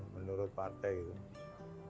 menurut partai gitu